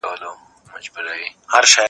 هغه سړی چي وطن ته خدمت کوي، محبوب دی.